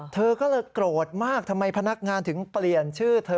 เธอก็เลยโกรธมากทำไมพนักงานถึงเปลี่ยนชื่อเธอ